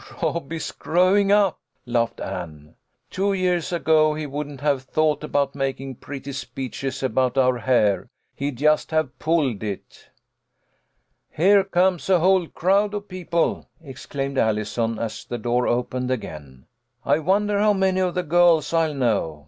" Rob is growing up," laughed Anne. " T\vo years ago he wouldn't have thought about making pretty speeches about our hair ; he'd just have pulled it." " Here comes a whole crowd of people," exclaimed A HALLO WE >EN PARTY. 153 Allison, as the door opened again. "I wonder how many of the girls I'll know.